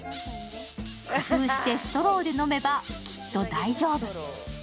工夫してストローで飲めばきっと大丈夫。